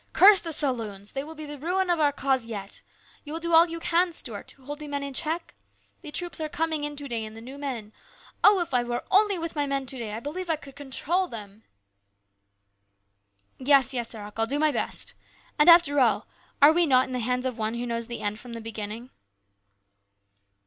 Curse the saloons ! They will be the ruin of our cause yet. You will do all you can, Stuart, to hold the men in check ? The troops are coming in to day and the new men. Oh ! if I were only with my men to day, I believe I could control them !" 104 HIS BROTHER'S KEEPER. " Yes, yes, Eric, I'll do my best. After all, are we not in the hands of One who knows the end from the beginning."